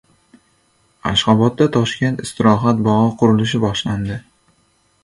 Ashxobodda «Toshkent» istirohat bog‘i qurilishi boshlandi